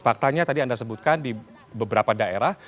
faktanya tadi anda sebutkan di beberapa daerah